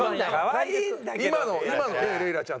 今のレイラちゃん